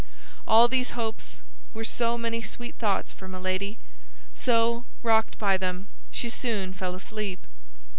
All these hopes were so many sweet thoughts for Milady; so, rocked by them, she soon fell asleep.